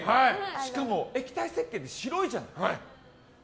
しかも、液体せっけんって白いじゃない。